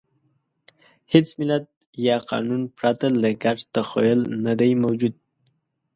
هېڅ ملت یا قانون پرته له ګډ تخیل نهدی موجود.